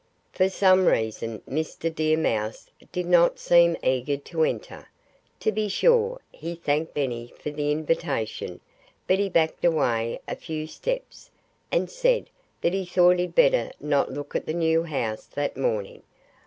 For some reason Mr. Deer Mouse did not seem eager to enter. To be sure, he thanked Benny for the invitation, but he backed away a few steps and said that he thought he'd better not look at the new house that morning.